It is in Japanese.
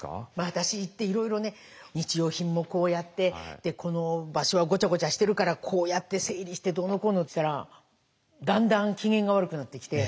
私行っていろいろ日用品もこうやってこの場所はごちゃごちゃしてるからこうやって整理してどうのこうのつったらだんだん機嫌が悪くなってきて。